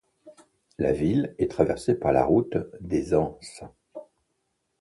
La ville est traversée par la route des Anses.